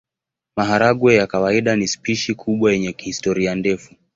Maharagwe ya kawaida ni spishi kubwa yenye historia ndefu.